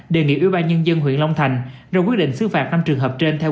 đề nghị ủy ban nhân dân huyện long thành